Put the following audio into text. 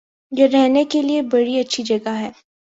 یہ رہنے کےلئے بڑی اچھی جگہ ہے